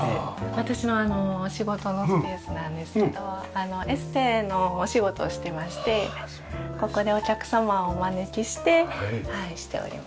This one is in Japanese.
私の仕事のスペースなんですけどエステのお仕事をしてましてここでお客様をお招きしております。